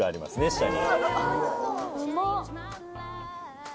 下に。